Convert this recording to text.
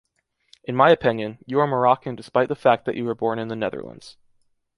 In my opinion, you are Moroccan despite the fact that you were born in the Netherlands.